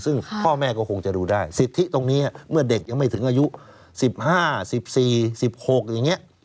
ซึ่งพ่อแม่ก็คงจะดูได้สิทธิตรงนี้เมื่อเด็กยังไม่ถึงอายุ๑๕๑๔๑๖อย่างนี้